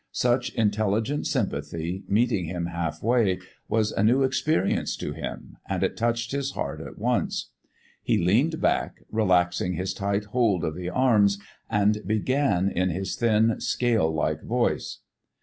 Such intelligent sympathy meeting him half way was a new experience to him, and it touched his heart at once. He leaned back, relaxing his tight hold of the arms, and began in his thin, scale like voice.